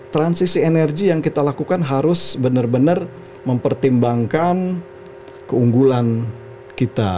transisi energi yang kita lakukan harus benar benar mempertimbangkan keunggulan kita